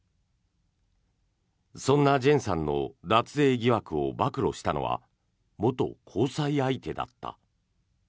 そんなジェンさんの脱税疑惑を暴露したのは元交際相手だった。